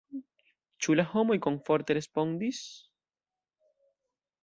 Ĉu la homoj komforte respondis?